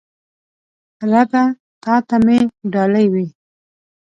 ربه تاته مې ډالۍ وی